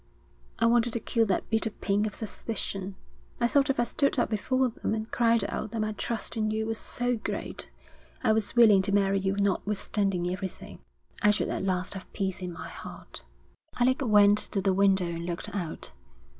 'I wanted to kill that bitter pain of suspicion. I thought if I stood up before them and cried out that my trust in you was so great, I was willing to marry you notwithstanding everything I should at last have peace in my heart.' Alec went to the window and looked out.